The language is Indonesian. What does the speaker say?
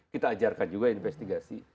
kita ajarkan juga investigasi